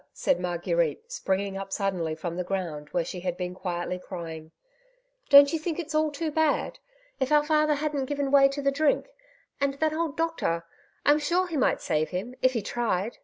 '' said Marguerite, springing np suddenly from the ground, where she had been quietly crying, '^ don't you think it's all too bad ? If our father hadn't given way to the drink 1 And that old doctor I I'm sure he might save him, if he tried."